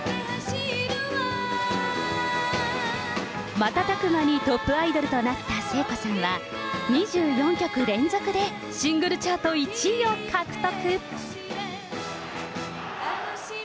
瞬く間にトップアイドルとなった聖子さんは、２４曲連続でシングルチャート１位を獲得。